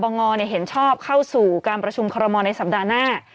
ที่กบงเนี่ยเห็นชอบเข้าสู่การประชุมคอรมณ์ในสัปดาห์หน้า